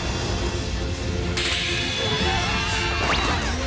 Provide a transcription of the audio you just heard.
うわ！